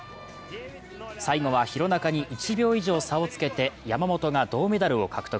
最後は廣中に１秒以上差をつけて山本が銅メダルを獲得。